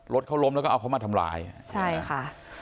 รถเขาล้มแล้วก็เอาเขามาทำร้ายใช่ค่ะ